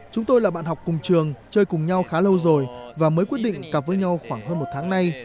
chúng tôi là bạn học cùng trường chơi cùng nhau khá lâu rồi và mới quyết định cặp với nhau khoảng hơn một tháng nay